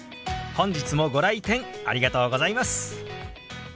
本日もご来店ありがとうございます。